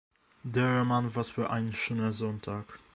Der Roman Was für ein schöner Sonntag!